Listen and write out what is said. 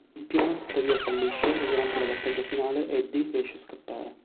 Il piano tuttavia fallisce e durante la battaglia finale Eddie riesce a scappare.